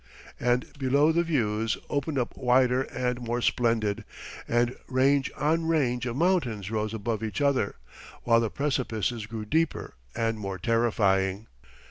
And below the views opened up wider and more splendid, and range on range of mountains rose above each other, while the precipices grew deeper and more terrifying.